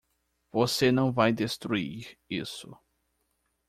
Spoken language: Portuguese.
Você não vai destruir isso!